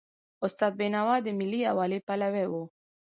استاد بینوا د ملي یووالي پلوی و.